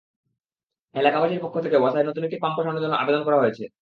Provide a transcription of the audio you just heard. এলাকাবাসীর পক্ষ থেকে ওয়াসায় নতুন একটি পাম্প বসানোর জন্য আবেদন করা হয়েছে।